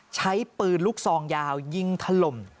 ใช้ปืนลูกซองยาวยิงถล่ม